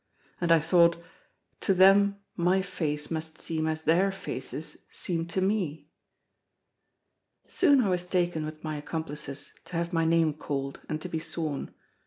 And I thought: To them my face must seem as their faces seem to me! Soon I was taken with my accomplices to have my name called, and to be sworn.